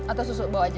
atau susu bawa aja